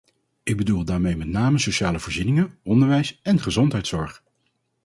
Ik bedoel daarmee met name sociale voorzieningen, onderwijs en gezondheidszorg.